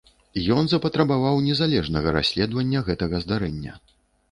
Ён запатрабаваў незалежнага расследавання гэтага здарэння.